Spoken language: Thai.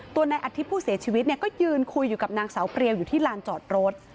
นายอาทิตย์ผู้เสียชีวิตเนี่ยก็ยืนคุยอยู่กับนางสาวเปรียวอยู่ที่ลานจอดรถ